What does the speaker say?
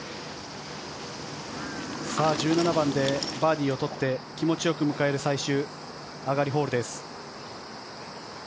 １７番でバーディーを取って気持ちよく迎える最終上がりホールです。